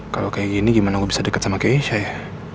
kalau kayak gini gimana gue bisa dekat sama keisha ya